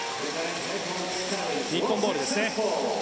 日本ボールですね。